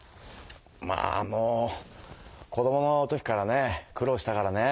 まあもう子どもの時からね苦労したからね。